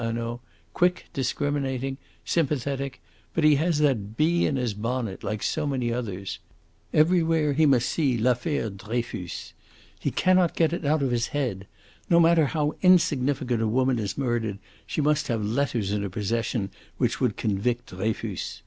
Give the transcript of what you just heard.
Hanaud quick, discriminating, sympathetic; but he has that bee in his bonnet, like so many others. Everywhere he must see l'affaire Dreyfus. He cannot get it out of his head. No matter how insignificant a woman is murdered, she must have letters in her possession which would convict Dreyfus.